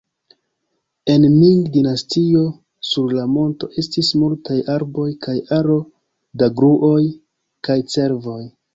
En Ming-dinastio sur la monto estis multaj arboj kaj aro da gruoj kaj cervoj.